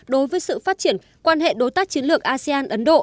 đối với sự phát triển quan hệ đối tác chiến lược asean ấn độ